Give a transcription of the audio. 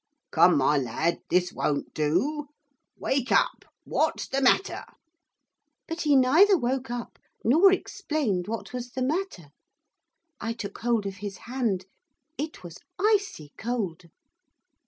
'Come, my lad, this won't do! Wake up! What's the matter?' But he neither woke up, nor explained what was the matter. I took hold of his hand. It was icy cold.